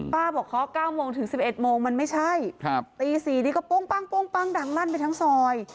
บอกเคาะ๙โมงถึง๑๑โมงมันไม่ใช่ตี๔นี้ก็โป้งดังลั่นไปทั้งซอย